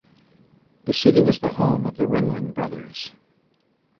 The city was the home of the Ringling Brothers.